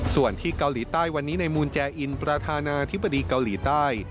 ส่วนที่เกาหลีใต้วันนี้ในมูลแจอินประธานาธิบดีเกาหลีใต้